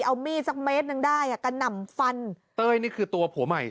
เอามีดสักเมตรหนึ่งได้อ่ะกระหน่ำฟันเต้ยนี่คือตัวผัวใหม่